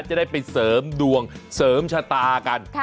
จะได้ไปเสริมดวงเสริมชะตากัน